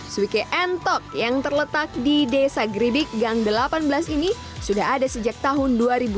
suike entok yang terletak di desa geribik gang delapan belas ini sudah ada sejak tahun dua ribu dua